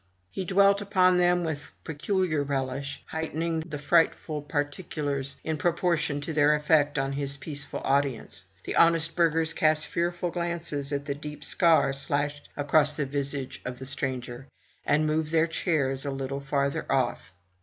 He dwelt upon them with pecuHar relish, heightening the frightful particu lars in proportion to their effect on his peaceful audience. The honest burghers cast fearful glances at the deep scar slashed across the visage of the stranger, and moved their chairs a little farther off.